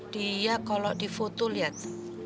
dia kalau difoto lihat